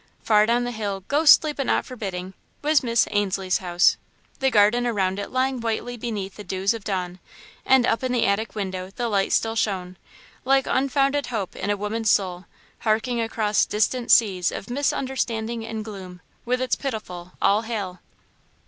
Far down the hill, ghostly, but not forbidding, was Miss Ainslie's house, the garden around it lying whitely beneath the dews of dawn, and up in the attic window the light still shone, like unfounded hope in a woman's soul, harking across distant seas of misunderstanding and gloom, with its pitiful "All Hail!"